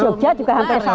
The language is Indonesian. jogja juga hampir sama